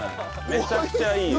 めちゃくちゃいいよ。